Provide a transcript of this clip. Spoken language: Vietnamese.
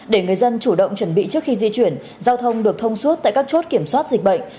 để người dân chủ động chuẩn bị trước khi di chuyển giao thông được thông suốt tại các chốt kiểm soát dịch bệnh